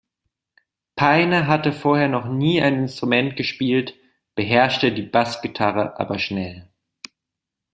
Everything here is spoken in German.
Payne hatte vorher noch nie ein Instrument gespielt, beherrschte die Bassgitarre aber schnell.